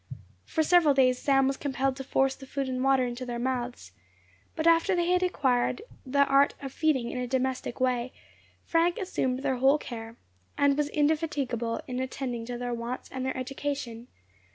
For several days Sam was compelled to force the food and water into their mouths; but after they had acquired the art of feeding in a domestic way, Frank assumed their whole care, and was indefatigable in attending to their wants and their education.